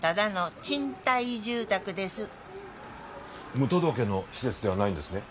無届けの施設ではないんですね？